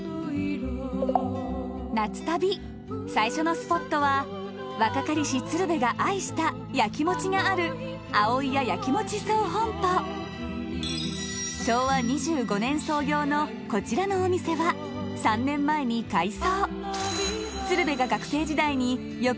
夏旅最初のスポットは若かりし鶴瓶が愛したやきもちがある昭和２５年創業のこちらのお店は３年前に改装。